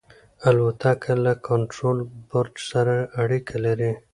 الوتکه له کنټرول برج سره اړیکه لري.